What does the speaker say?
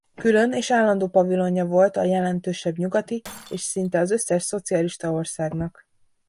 Külön és állandó pavilonja volt a jelentősebb nyugati és szinte az összes szocialista országnak.